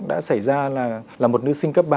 đã xảy ra là một nữ sinh cấp ba